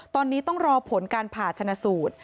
ตอนนี้ต้องรอผลการผ่าชนะสูตร